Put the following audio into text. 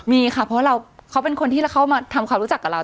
มีค่ะเพราะเขาเป็นคนที่เข้ามาทำความรู้จักกับเรา